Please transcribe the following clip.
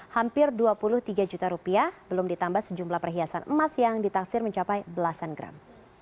hampir dua puluh tiga juta rupiah belum ditambah sejumlah perhiasan emas yang ditaksir mencapai belasan gram